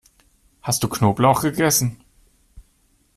Hast du Knoblauch gegessen?